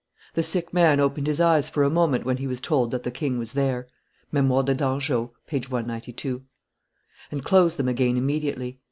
The sick man opened his eyes for a moment when he was told that the king was there [Memoires de Dangeau, t. viii. p. 192], and closed them again immediately.